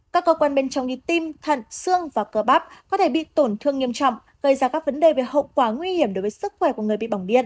các cơ quan bên trong như tim thận xương và cơ bắp có thể bị tổn thương nghiêm trọng gây ra các vấn đề về hậu quả nguy hiểm đối với sức khỏe của người bị bỏng bia